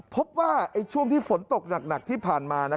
พบว่าช่วงที่ฝนตกหนักที่ผ่านมา